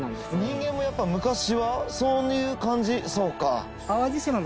人間もやっぱ昔はそういう感じ？